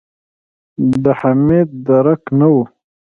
د حميد درک نه و.